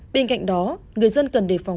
bên cạnh đó người dân cần đề phòng